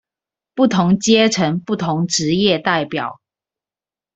不同階層、不同職業代表